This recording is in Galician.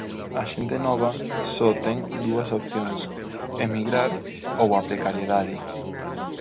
A xente nova só ten dúas opcións: emigrar ou a precariedade.